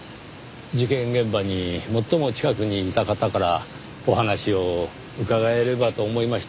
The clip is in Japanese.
事件現場に最も近くにいた方からお話を伺えればと思いましてねぇ。